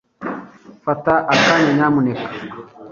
Fata akanya nyamuneka